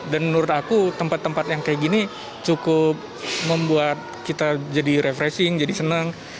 dan menurut aku tempat tempat yang kayak gini cukup membuat kita jadi refreshing jadi senang